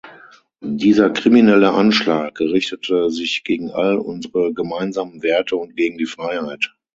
Dieser kriminelle Anschlag richtete sich gegen all unsere gemeinsamen Werte und gegen die Freiheit.